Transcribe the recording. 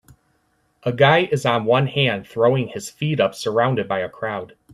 A guy is on one hand throwing his feet up surrounded by a crowd.